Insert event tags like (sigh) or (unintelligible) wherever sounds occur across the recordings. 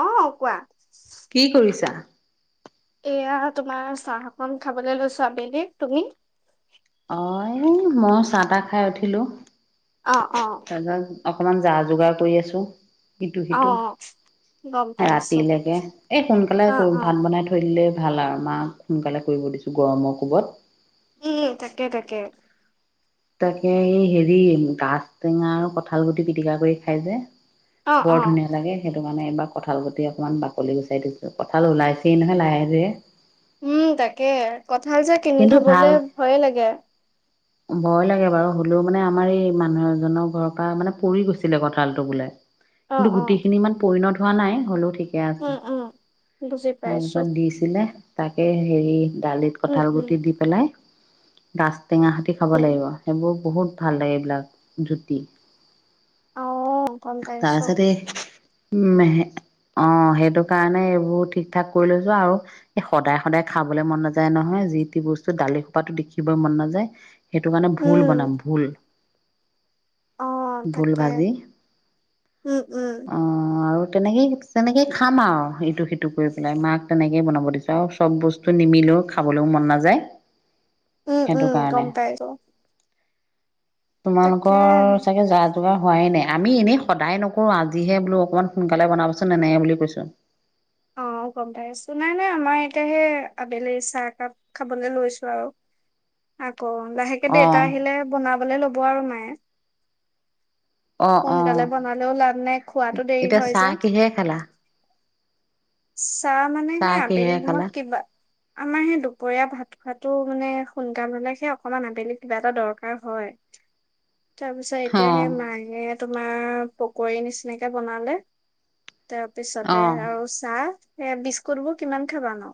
অ কোৱা কি কৰিছা? এয়া তোমাৰ চাহ অকন খাবলৈ লৈছো আবেলি৷ তুমি? অ এই মই চাহ তাহ খাই উঠিলো৷ অ অ অকমান যা যোগাৰ কৰি আছো ইটো অ', গম পাইছো, সিটো৷ৰাতিলৈকে৷এই সোনকালে অ', (unintelligible) অ', ভাত বনাই থৈ দিলে ভাল আৰু মাক সোনকালে কৰিব দিছো গৰমৰ কোবত উম থাকে থাকে তাকে এ-ই হেৰি গাছ টেঙা আৰু কঠাল গুটি পিটিকা কৰি খাই যে অ', বৰ অ', ধুনীয়া লাগে সেইটো৷ মানে এইবাৰ কঁঠাল গুটি অকমান বাকলি গুচাই দিছো৷কঁঠাল ওলাইছেই নহয় লাহে ধীৰে। উম তাকে, কঠাল যে কিনি কিন্তু ভাল খাবলে ভয়ে লাগে৷ ভয় লাগে বাৰু হ'লেও মানে আমাৰ এই মানুহ এজনৰ ঘৰৰ পৰা মানে পৰি গৈছিলে কঁঠালটো বোলে অ', গুটি অ', খিনি ইমান পৰিণত হোৱা নাই হলেও ঠিক ঠিকে উম, উম। বুজি আছে৷তাৰ পাইছো, পিছত দিছিলে তাকে হেৰি, দালিত উম, কঁঠাল উম, গুটি দি পেলাই, গাজ টেঙা সৈতে, খাব উম, লাগিব সেইবোৰ বহুত ভাল লাগে এইবিলাক জুতি, অ! গম পাইছোঁ। তাৰপিছতে উম অ সেইটো কাৰণে এইবোৰ ঠিক ঠাক কৰি লৈছো আৰু এই সদায় সদায় খাবলৈ মন নাযায় নহয়, যি তি বস্তু দালি খোপাতো দেখিবলৈ মন নাযায়। সেইটো মানে ভুল উম, বনাম ভুল। অ', ভোল তাকে, ভাজি উম, উম, অ! আৰু তেনেকে তেনেকে খাম আৰু ইটো সিটো কৰি পেলাই মাক তেনেকেই বনাব দিছো আৰু চব বস্তু নিমিলেও খাবলৈও মন নাযায়। উম, সেইটো উম, কাৰণে গম পাইছ। তাকে। তোমালোকৰ চাগে যা যোগাৰ হোৱাই নাই। আমি এনেই সদায় নকৰো, আজিহে বোলো অকমান সোনকালে বনাবচোন এনেকে বুলি কৈছোঁ। অ' গম পাই আছো। নাই নাই আমাৰ এতিয়াহে আবেলি চাহ একাপ খাবলে লৈছো আৰু। আকৌ লাহেকে দেতা অ' আহিলে বনাবলে ল'ব আৰু মাইয়ে। অ' অ' সোনকালে বনালেও লাভ নাই, খোৱাটো দেৰি এতিয়া হয় চাহ যে। কিহেৰে খালা চাহ মানে, চাহ সেই আবেলি কিহেৰে খালা সময়ত কিবা আমাৰ সেই দুপৰীয়া ভাত। খোৱাটো মানে সোনকাল হলে অকমান আবেলি কিবা এটা দৰকাৰ হয়। তাৰ পিছত এতিয়া সে অ' মায়ে তোমাৰ পকৰী নিচিনাকে বনালে। তাৰপিছতে অ' আৰু এয়া বিস্কুট বোৰ কিমান খাবা ন।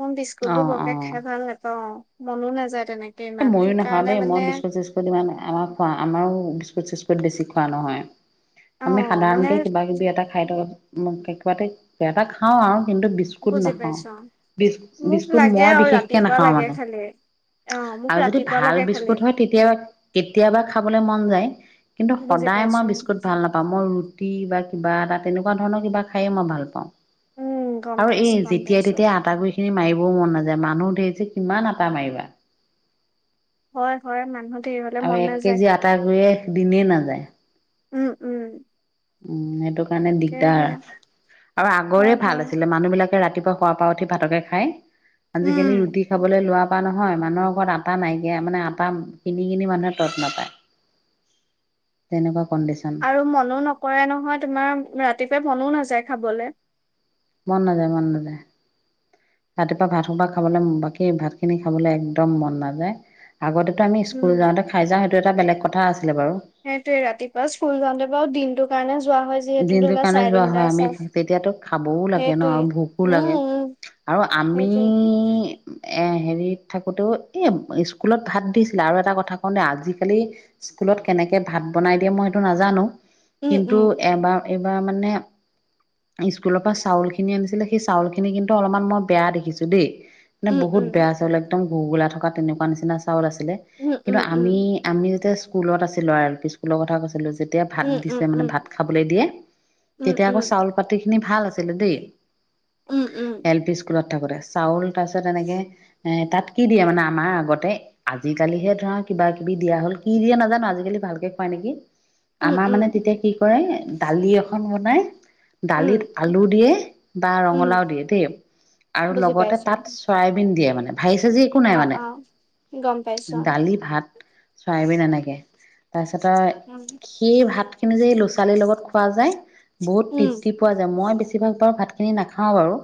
মোৰ বিস্কুটবোৰ অ' বৰকে অ' খাই ভাল নাপাও। মনো নাযায় তেনেক এ ময়ো নাখাও দেই, মই বিস্কুট-চিস্কুট ইমান আমাৰ খোৱা আমৰো বিস্কুট-চিস্কু স্কুট বেছি খোৱা নহয়। আমি অ', মানে সাধাৰণকে কিবা-কিবি এটা খাই থ মই কিবাতে বেটা খাওঁ আৰু। কিন্তু বিস্কুট বুজি নাখাও পাইছো অ', বিচ মোক বিস্কুট লাগে মই আৰু বিশেষকে ৰাতিপুৱা নাখাও লাগে মানে। খালি। অ', মোক আৰু যদি ৰাতিপুৱা ভাল লাগে খালি, বিস্কুট হয় তেতিয়াবা কেতিয়াবা খাবলৈ মন যায় কিন্তু বুজি সদায় পাইছো মই বিস্কুট ভাল নাপাওঁ মই ৰুটি বা কিবা এটা তেনেকুৱা ধৰণৰ কিবা খায়ে মই ভাল পাওঁ। উম, গম আৰু এই পাইছো গম যেতিয়াই পাইছো। তেতিয়া আটা গুৰিখিনি মাৰিবও মন নাযায়। যে মানুহ ধেৰ যে কিমান আটা মাৰিবা হয় হয় মানুহ ধেৰ হলে আৰু মন এক নাযায়, কেজি আটা গুৰিয়ে দিনেই নাযায় উম উম উম সেইটো কাৰণে দিগদাৰ তাকেহে আৰু আগৰে হয় ভাল হয়। আছিলে মানুহ বিলাকে ৰাতিপুৱা খ পৰা উঠি ভাতকে খায় উম, আজিকালি ৰুটি খাবলৈ লোৱা হয়-নহয় মানুহৰ ওৰত আটা নাইকিয়া মানে আটা কিনি কিনি মানুহে তত নাপায় তেনেকুৱা কণ্ডিচন আৰু মনো নকৰে নহয় তোমাৰ ৰাতিপুৱাই মনো না যাই খাবলৈ মন নাযায় মন না। ৰাতিপুৱা ভাত সোবা খাবলৈ বাকী ভাত খিনি খাবলৈ একদম মন নাযায় আগতে আমি স্কুল যাওঁতে খাই যওঁ সেইটো এটা বলেগ কথা কথা সেইটোৱে ৰাতিপুৱা স্কুল যাওঁতে বাও দিনটো (unintelligible) দিনটোৰ কাৰণে যোৱা হয় আমি তেতিয়াতো খাবও লাগে ন সেইটোৱে ভোকো উম লাগে উম আৰু আমি সেইটোৱে হেৰিত থাকোঁতেও এই স্কুলত ভাত দিছিলে আৰু এটা কথা কওঁ দে আজিকালি স্কুলত কেনেকৈ ভাত বনাই দিয়ে মই সেইটো নাজানো। উম কিন্তু উম এবাৰ এইবাৰ মানে স্কুলৰ পৰা চাউল খিনি আনিছিলে সেই চাউল খিনি কিন্তু অলপমান মই বেয়া দেখিছো দেই। মানে উম বহুত উম বেয়া চাউল একদম ভুগোলা থকা তেনেুৱা নিচিনা হৈছে আছিলে। উম উম উম স্কুলত আছিলো আৰু এল পি স্কুল কৈছিলো যে তেতিয়া ভাত উম দিছে মানে উম ভাত ভেতেই দিয়ে উম তেতিয়া আকৌ উম চাউল পাতি এনে ভাল আছিলো দেই। উম উম এল পি স্কুলত থাকোতে চাউল তাৰ পিছত এনেকে এ তাত কি দিয়ে মানে আমাৰ আগতে আজিকালিহে ধৰা কিবা কিবি দিয়া হল কি দিয়ে নাজানো আজিকালি ভালকে খুৱাই নেকি উম উম আমাৰ উম মানে তেতিয়া কি দালি এখন বনাই উম দালিত আলু দিয়ে বা উম ৰঙালাও দিয়ে দেই আৰু বুজি লগতে পাইছো তাত চয়াবিন দিয়ে মানে ভাই চাজি একো নাই অ মানে অ গম পাইছো দালি ভাত চায়াইবিন এনেকে তাৰ তোসত উম সি ভাত কি যে ডালিৰ লগত খোৱা যায় বহুত উম তৃপ্তি পোৱা যায় মই বেছি তিবাক বাৰু ভাত খিনি নাখাওঁ বাৰু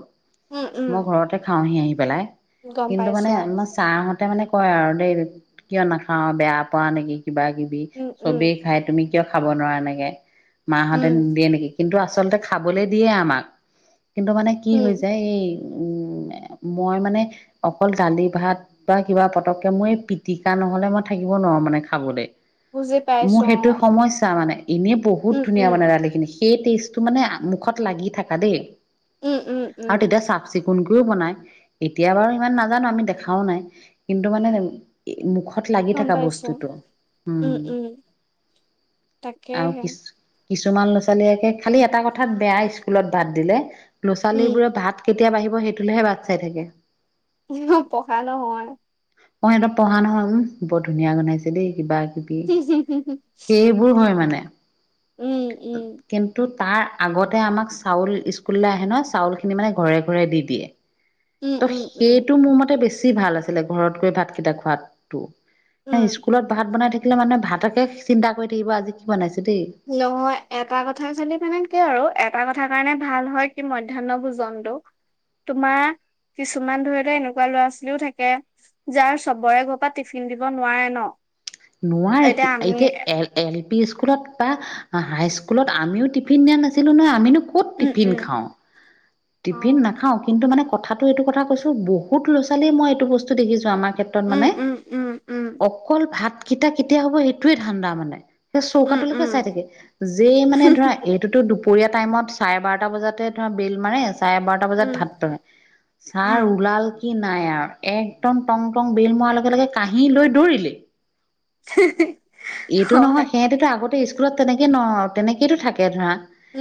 উম উম মই ঘৰতে খাওঁহি আহি পেলাই গম কিন্তু মানে পাইছো আমাৰ ছাৰ তাতে মানে কয় আৰু দেই কিয় নাখাওঁ বেয়া পোৱা নেকি কিবা কিবি উম উম চবেই খাই তুমি কিয় খাব নোৱাৰা এনেকে মাহঁতে উম নিদিয়ে নেকি কিন্তু আচলতে খাবলে দিয়ে আমাক কিন্তু মানে কি উম হৈ যায় এই উম মই মানে অকল ডালি ভাত বা কিবা পতককে মই এই পিটিকা নহলে মই থাকিব নোৱাৰো মানে খাবলে বুজি মোৰ পাইছো সেইটো অ সমস্যা মানে এনেই বহুত উম ধুনীয়া উম মানে ডালিখিনি সেই টেষ্ট তো মানে মুখত লাগি থাকা দে উম উম উম আৰু তেতিয়া চাফচ চিকুনকৈও বনাই এতিয়া বাৰু ইমান নাজানো আমি দেখাও নাই কিন্তু মানে মুখ লাগি গম থকা পাইছো বস্তুতটো উম আৰু তাকেহে কিছু কিছুমান ল'ৰা ছোৱালীয়েকে খালি এটা কথাত বেয়া স্কুলত ভাত দিলে ল'ৰা উম ছোৱালীবোৰে ভাত কেতিয়া বাঢ়িব সেইটোলৈহে বাট চাই থাকে পঢ়া নহয় মই ইহঁত পঢ়াৃ নহয় উম বৰ ধুনীয়া জনাইছে দে কিবা (unintelligible) সেইবোৰ হয় মানে উম উম কেন্তটোত তাৰ আগতে আমাক চাউল স্কুললৈ আহে নহয়, চাউল খিনি মানে ঘৰে ঘৰে দি দিয়ে। উম ত' উম উম সেইটো মোৰ মতে বেছ বেছি ভাল আছিলে, ঘৰত গৈ ভাত কেইটা খোৱাতো। উম স্কুলত ভাত বনাই থাক থাকে মানে ভাতকে চিন্তা কৰি থাকিব আজি কি বনাইছে। দেই। নহয়। এটা কথা চালি মানে কি আৰু এটা কথা কাৰণে ভাল হয় কি মধ্যাহ্ন ভোজনটো, তোমাৰ কিছুমান, ধৰিলে এনেকুৱা ল'ৰা ছোৱালীও থাকে যাৰ চবৰে ঘৰ পৰা টিফিন দিব নোৱাৰে ন। নোৱাৰতো এতিয়া এ এল বি স্কুলত বা হাই স্কুলত আমিও টিফিন দিয়া নাছিলো নহয়, আমিনো ক'ত উম টিফিন উম খাও, অ টিফিন নাখাওঁ কিন্তু মানে কথাাতটো এইটো কথা কৈছো বহুত ল'ৰা ছোৱালীৰয়ে মই এইটো বস্তু দেখিছো আমাক ক্ষেত্ৰত উম মানে, উম উম উম অকল ভাত কেতা কেতিয়া হ'ব সেইটোৱে ধান্দা মানে। সেই উম চৌকাটোলৈকে উম চাই থাকে, যেই মানে ধৰা এইটোতো দুপৰীয়া টাইমত চাৰে বাৰটা বজাতে ধৰা বেল মাৰে চাৰে বাৰটা বজাত উম ভাত পৰে, ছাৰ উম ওলাল কি নাই আৰু একদম টং টং বিল মাৰ লগে লগে কাহি লৈ দৌৰিলে। এইটো হয় নহয় সিহতেতো আগতে ত স্কুলত তেনেকে ন তেনেকো থাকে ধৰা।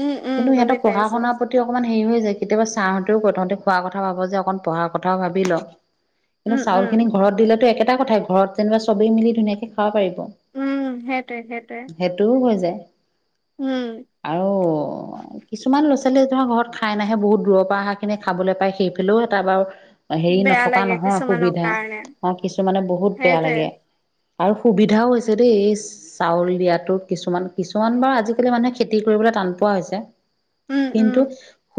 উম উম কিন্তু সিহঁত বুজি পঢ়া পাইছো শুনাৰ প্ৰতি অকমান হেৰি হৈ যায় কেতিয়াবা ছাহঁতেও তহঁতে খোৱা কথা ভাব যে অকন পঢ়াৰ কথাও ভাবি ল। কিন্তু উম উম চাউলখিনি ঘৰত দিলেতো একেট টা, কথাই ঘৰত যেনিবা চবেই মিলি ধুনীয়াকে খাব পাৰি উম, সেইটোৱে, সেইটোৱে। হৈ যায় উম আৰু কিছুমান ল লী, ধৰা ঘৰত খাই নাহে বহুত দূৰৰ পৰা অহাখিনি খাবলৈ পাই, সেইফালেও এটা বাৰু হেৰি বেয়া নথকা লাগে নহয়, কিছুমানৰ সুবিধা কাৰণে অ', কিছুমানে বহুত বেয়া সেইটোৱে লাগে। আৰু সুবিধাও হৈছে দেই এই চাউল দিয়াতো, কিছুমান, কিছুমান বাৰু আজিকালি মানুহে খেতি কৰিবলৈ টান পোৱা হৈছে। উম উম কিন্তু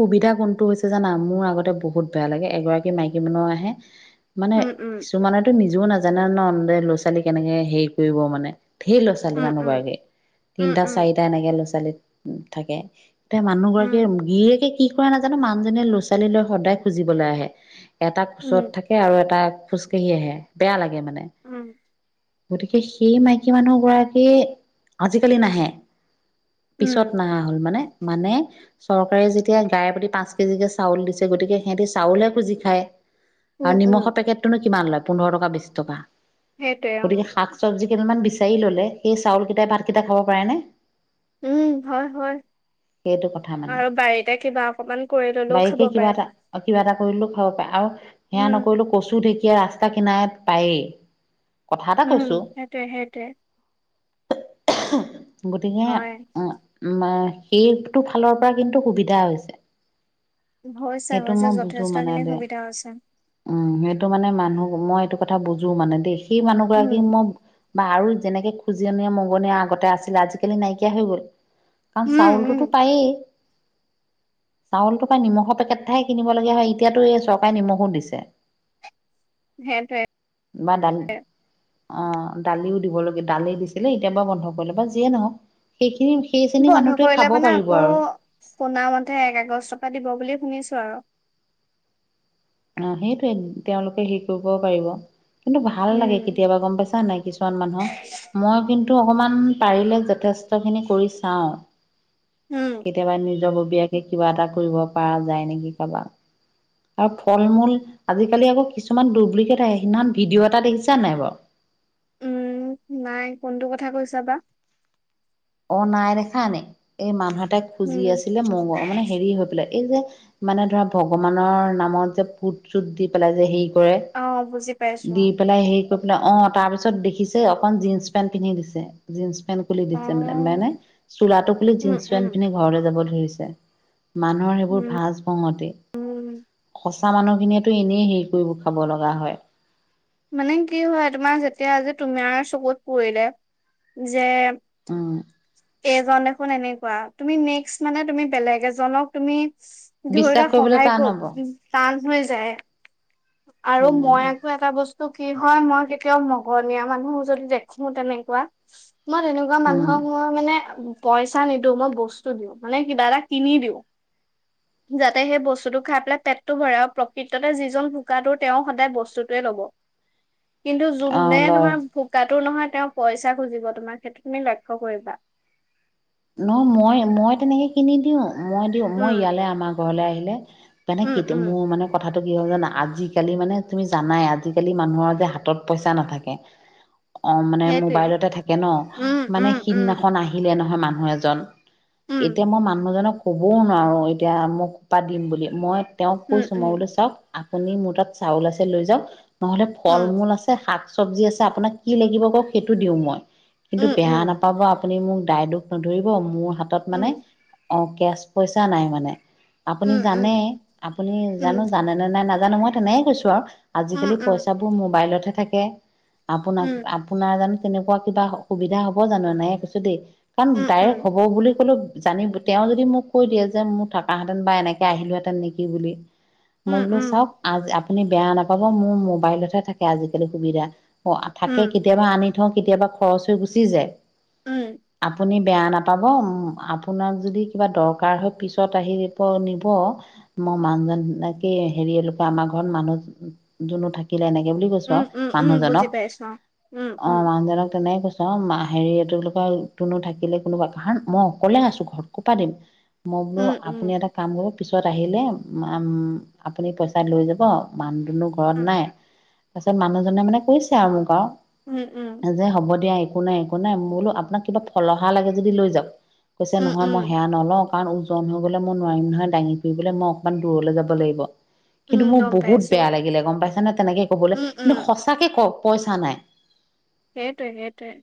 সুবিধা কোনটো হৈছে জানা, মোৰ আগতে বহুত বেয়া লাগে এগৰাকী মাইকী মানুহ আহে মানে উম উম কিছুমানেতো নিজ (unintelligible) নাজানে ন লৈ ছালি কেনেকে হেৰি কৰিব মানে। ঢেৰ ল' ছোৱালী উম উম মানুহগৰাকী উম তিনিটা উম চাৰিটা এনেকে ল'ৰা ছোৱালী। উ থাকে। এয়া মানুহ উম গৰাকীয়ে গিয়েকে কি, কৰে নাজানো মানুহজনীয়ে লুচুৱালি লৈ সদায় খুজিবলৈ আহে। এটা উম কোচত থাকে আৰু এটা খোজকাঢ়ি আহে বেয়া লাগে মানে। উম, গতিকে, সেই মাইকী মানুহগৰাকী আজিকালি নাহে। উম পিছত নাহা হ'ল মানে মানে চৰকাৰে যেতিয়া গায়ে প্ৰতি পাঁচ কেজিকে চাউল দিছে গতিকে সিহঁতি চাউলহে খুজি খায়। উম আৰু উম নিমখৰ পেকেটটোনো কিমান লয়? পোন্ধৰ টকা, বিশ টকা। সেইটোৱে উম গতিকে শাক সৱজি কেইটামান বিচাৰি ললে সেই চাউল কেইটাই ভাত কেইটা খাব পাৰেনে? উম, হয় হয়, সেইটো কথা মানে আৰু বাৰীতে কিবা অকমান কৰি ললেও বাৰীকে খাব কিবা পাৰে। এটা কিবা এটা কৰিলেও খাব পাৰে। আৰু, সেয়া উম নকৰিলো কচু ঢেঁকী ইয়া ৰাস্তা কিনাৰত পায়ে। উম, সেইটোৱে সেইটোৱে। (unintelligible) গতিকে হয় ম' মা সেইটো ফালৰ পৰা কিন্তু সুবিধা হৈছে। হৈছে, সেইটো হৈছে, মই বুজো মানে যথেষ্টখিনি দে সুবিধা হৈছে। উম সেইটো মানে মানুহ মই এইটো কথা বুজো মানে দেই। সেই মানুহ উম গৰাকীক ম বা, আৰু যেনেকে খুজনিয়, মগনীয়া আগতে আছিল আজিকালি নাইকিয়া হৈ গ'ল। কাৰণ উম উম চাউলটোতো পায়েই। চাউলটো পাই নিমখৰ পেকেট এটাহে কিনিব লগীয়া হয়, এতিয়াতো এই চৰকাৰে নিমখো দিছে। সেইটোয়ে। বা দালি অ', দালিও দিব ললে দালিও দিছিলে এতিয়াৰ পৰা বন্ধ কৰিলে বাৰু যিয়ে নহওঁক সেইখিনি সেইখিনি বন্ধ মানুহটোৱে কৰিলে খাব মানে পাৰিব আকৌ আৰু শুনা মতে একআগষ্ট ৰ পৰা দিব বুলি শুনিছ ছোঁ আৰু অ সেইটোৱেই তেওঁলোকে হেৰি কৰিবও পাৰিব। কিন্তু ভাল লাগে উম কেতিয়াবা গম পাইছা নাই কিছুমান মানুহক মই কিন্ তো অকমান পাৰিলে যথেষ্ট খিনি কৰি চাওঁ। উম কেতিয়াবা নিজৰব বিয়াকে কিবা এটা কৰিব পৰা যায় নেকি কাৰোবাক। আৰু ফল-মূল আজিকালি আকৌ কিছুমান ডুপ্লিকেট অহ, সিদিনাখন ভিডিঅ' এটা দেখিছা নে নাই বাৰু? উম, নাই কোনটো কথা কৈছা বা? অ', নাই দেখা নে এই মানুহ তাই খুজি উম আছিলে মগ মানে হেৰি হৈ পেলাই। এই যে মানে ধৰা ভগৱানৰ নামত যে ফুট চুত দি পেলাই যে হেৰি কৰে, অ বুজি পাইছো দি পেলাই হেৰি অ', তাৰ পিছত দেখিছে অকণ জীন্স পেণ্ট পিন্ধি দিছে, জীন্স পেন্ট অ যেন মেনে চোলা টো খুলি উম জিন্চ পেন্ট উম পিন্ধি ঘৰলৈ যাব ধৰি ছে। মানুহৰ সেইবোৰ উম ভাজ বঙতে উম সঁচা মানুহখিনিয়েটো এনেই হেৰি কৰিব খাব লগা হয়। মানে কি হয় তোমাৰ যেতিয়া যে তুমাৰ চকুত পৰিলে যে উম, জন দেখোন এনেকুৱা তুমি নেক্স মানে তুমি বেলেগ এ জক তুমি বিশ্বাস ধৰিত কৰিবলৈ সহায় টান হব কৰো টান হৈ যায়। আৰু উম মই আকৌ এটা বস্তু কি হয় মই কেতিয়াও মঘনীয়া মানুহ যদি দেখো তেনেকুৱা মই তেনেকুৱা উম মানুহক মই মানে পইচা নিদিওঁ মই বস্তু দিওঁ মানে কিবা এটা কিনি দিও যাতে সেই বস্তুটো খাই পেলাই পেটটো ভৰে আৰু প্ৰকৃততে যিজন কোকটো তেওঁ সদায় বস্তুটোৱে ল'ব। কিন্তু অ যোনে লয় তোমাৰ ভোকাত টো নহয় তেওঁ পইচা খুজিব তোমাৰ সেইটো তুমি লক্ষ্য কৰিবা। ন মই-মই তেনেকে কিনি দিওঁ। মই দিওঁ মই উম, ইয়ালৈ আমাৰ ঘৰলৈ আহিলে পেনে উম, কে উম, মোৰ মানে কথা কি হয়ল জানা আজিকালি মানে তুমি জানাই আজিকালি মানুহৰ যে হাতত পইচা নাথাকে। অ, মানে সেইটোৱে। মোবাইলতে থাকে ন উম, মানে উম, উম, সিদিনাখন আহিলে নহয়। ধেমান (unintelligible) মানুহ এজন। উম, এতিয়া মই মানুহজনক ক'বও নোৱাৰোঁ এতিয়া মোক সোপাত দিম বুলি মই তেওঁ উম, কৈছোঁ মই উম, বোলো চাওঁক। আপুনি মোৰ তাত চাউল আছে লৈ যাওঁক। নহ'লে উম, ফল-মূল আছে, শাক চব্জি আছে, আপোনাক কি লাগিব কওঁক সেইটো দিওঁ মই। কিন্তু উম, বেয়া উম, নাপাব পুনি মোক দায় দোষ নধৰিব মোৰ- হাতত উম, মানে, অ- কেচ পইচা নাই মানে। আপুনি উম, জানে, আপুনি উম, জানো, জানে নে নাই ন- নাজানো মই তেনোই কৈছো আৰু- উম, আজিকালি পইচাাবোৰ মোবাইলতহে- তাকে। উম, আপোনাক- আপোনাৰ জান- তেনেকুৱা কিবা সুবিধা হ'ব জানো? নাই কৈছো দেই। কাৰণ উম, ডাইৰেক্ট হ'ব বুলি ক'লেো- জানি, তেওঁ যদি মোক কৈ দিয়ে যে, মোৰ থকাহেতেন বা এনেকে আহিলোহেঁতেন নেকি বুলি। মই উম, উম, উম, উম, উম, বোলো উম, চাওক আজ-আপ- আপুনি বেয়া নাপাব মোৰ মোবাইলতহে থাকে আজিকালি সুবিধা। অ থাকে কেতিয়াবা আনি- ধৰ কেতিয়াবা খৰচ হৈ গুচি যায়। উম'' আপুনি বেয়া নাপাব, আপোনাক যদি কিবা দৰকাৰ হয়, পিছত আহিিব নিব, মোৰ মানুহজনকেই হেৰি এুৱা আমাৰ ঘৰত মানুহ জোনো থাকিলে নক- বুলি কৈছো উম, আৰু উম, উম, বুজি মানুহজনক, পাইছো অ'। উম, উম, অ' মানুহজনক তেনে কৈছো। ত' মাহ হেৰি এইটো ব কৰ- কোনো থাকিলে কোনোুৱা কাৰণ, মই অকলে আছো ঘৰত কৰ পৰা দিম- মই বোলো উম, উম, আপুনি এটা কাম কৰক- পিছত আহিলে আপুনি পইচা লৈ যাব। মানুহ দুনো ঘৰত উম, নাই। তাৰপিছত মানুহজনে মানে কৈছে আৰু মোক আৰু- উম, উম, যে হ'ব দিয়া- একো নাই, একো নাই মো আপোনাক কিবা- ফলহা লাগে যদি লৈ যাওঁক। কৈছে উম, নহয় উম, মই সেয়া নলওঁ। অকণ ওজন হৈ গ'লে মই নোৱাৰিম নহয় দাঙি ফুৰিবলৈ, মই অকণমান দূৰলৈ যাব লাগিব। কিন্তু উম, মোৰ গম বহুত পাইছো। বেয়া লাগিলে গম পাইছা নে, তেনেকে কবলে উম, উম, কিন্তু, সঁচাকে কওক। পইচা নাই। সেইটোৱে-সেইটোৱে।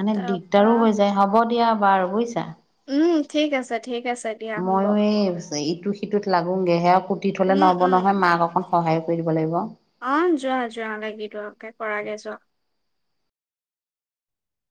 মানে তাৰপা, দিগদাৰো হৈ যায়, হ'ব দিয়া বাৰু বুইছা। উম, ঠিক আছে- ঠিক আছে দিয়া হ'ব। এ ইটো সিটোত (unintelligible) উম, নহ'ব উম, নহয় মাক অকণ সহায় কৰি দিব লাগিব। অ', যোৱা যোৱা লাগিব তাকে কৰাগে যোৱা।